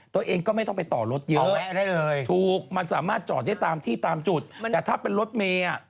ตัวเองก็ไม่ต้องไปต่อรถเยอะถูกมันสามารถจอดได้ตามที่ตามจุดแต่ถ้าเป็นรถเมย์อ่ะ